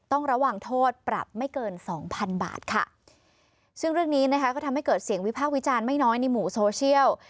ต้องระวังโทษปรับไม่เกินสองพันบาทค่ะซึ่งเรื่องนี้นะคะก็ทำให้เกิดเสียงวิพากษ์วิจารณ์ไม่น้อยในหมู่โซเชียล